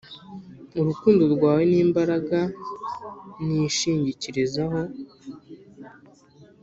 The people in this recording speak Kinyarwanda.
urukundo rwawe nimbaraga nishingikirizaho